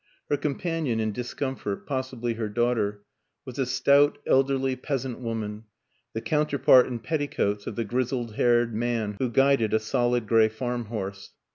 Her companion in discomfort possibly her daughter was a stout, elderly peas ant woman, the counterpart in petticoats of the grizzled haired man who guided a solid gray farmhorse.